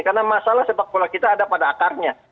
karena masalah sepak bola kita ada pada akarnya